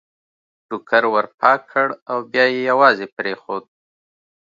ټوکر ور پاک کړ او بیا یې یوازې پرېښود.